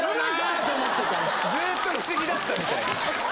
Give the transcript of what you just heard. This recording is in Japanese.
ずっと不思議だったみたい。